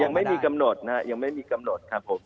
ยังไม่มีกำหนดนะฮะยังไม่มีกำหนดครับผม